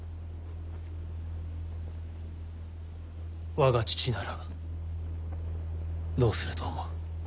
我が父ならどうすると思う？